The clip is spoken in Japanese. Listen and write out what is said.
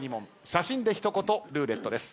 写真で一言ルーレットです。